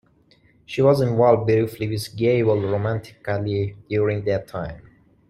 She was involved briefly with Gable romantically during that time.